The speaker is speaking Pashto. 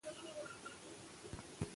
چې په رود کې ولې غالمغال دى؟